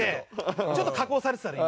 ちょっと加工されてたね